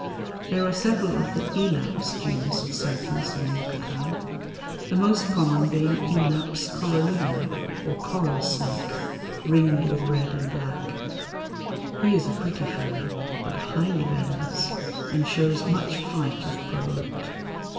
There are several of the Elaps genus of serpents in Yucatan, the most common being Elaps corallina, or coral snake, ringed with red and black. He is a pretty fellow but highly venomous, and shows much fight if provoked.